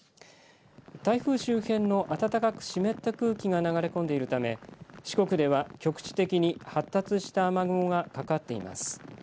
台風周辺の暖かく湿った空気が流れ込んでいるため四国では局地的に発達した雨雲がかかっています。